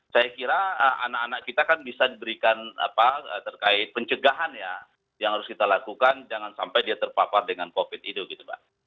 saya kira anak anak kita kan bisa diberikan apa terkait pencegahan ya yang harus kita lakukan jangan sampai dia terpapar dengan covid itu gitu mbak